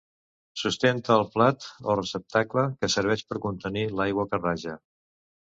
Sustenta el plat o receptacle que serveix per contenir l'aigua que raja.